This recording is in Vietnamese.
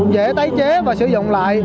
dễ tái chế và sử dụng lại